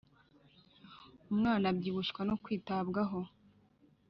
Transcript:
Umwana abyibushywa no kwitabwaho